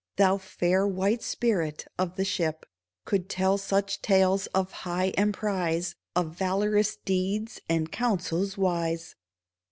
Thou fair white spirit of the ship, Could tell such tales of high emprise. Of valorous deeds and counsels wise